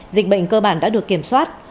dịch bệnh cơ bản đã được kiểm soát